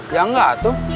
ya enggak tuh